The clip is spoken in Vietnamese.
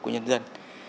của nhân dân